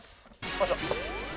よいしょ。